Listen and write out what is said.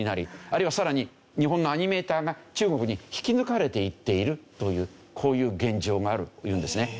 あるいはさらに日本のアニメーターが中国に引き抜かれていっているというこういう現状があるというんですね。